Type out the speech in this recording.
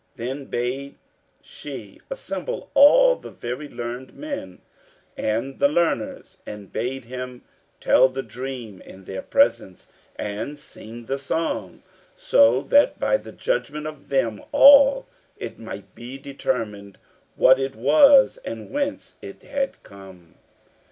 Then bade she assemble all the very learned men, and the learners, and bade him tell the dream in their presence, and sing the song, so that by the judgment of them all it might be determined what it was, and whence it had come.